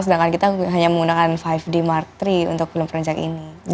sedangkan kita hanya menggunakan lima d mark iii untuk film prenjak ini